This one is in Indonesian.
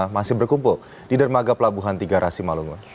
masih berkumpul di dermaga pelabuhan tiga rasi malunga